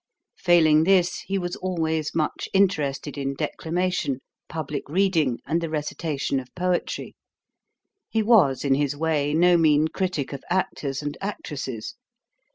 Failing this, he was always much interested in declamation, public reading, and the recitation of poetry. He was, in his way, no mean critic of actors and actresses.